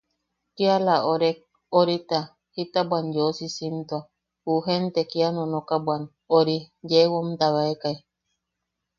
Kiala orek... orita... jita bwan yeu sisimtua... ju jente kia nonokabwan ori... yee womtabaikai.